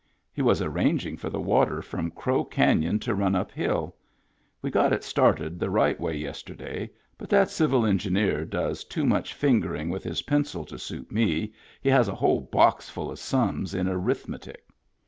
He was arranging for the water from Crow Can yon to run up hill. We got it started the right way yesterday but that civil engineer does too much fingering with his pencil to suit me he has a whole box full of sums in arrithmetic.